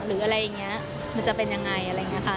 หรืออะไรอย่างนี้มันจะเป็นยังไงอะไรอย่างนี้ค่ะ